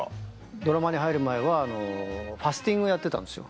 ドラマに入る前はファスティングやってたんですよ。